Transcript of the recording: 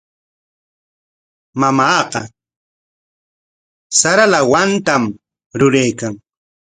Mamaaqa sara lawatam ruraykan.